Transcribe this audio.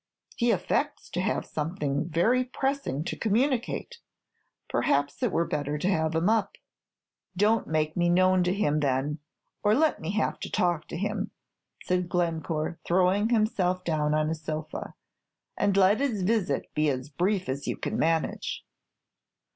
"He affects to have something very pressing to communicate. Perhaps it were better to have him up." "Don't make me known to him, then, or let me have to talk to him," said Glencore, throwing himself down on a sofa; "and let his visit be as brief as you can manage."